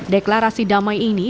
deklarasi damai ini